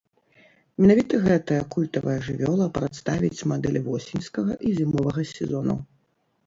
Менавіта гэтая культавая жывёла прадставіць мадэлі восеньскага і зімовага сезонаў.